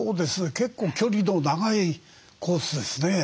結構距離の長いコースですね。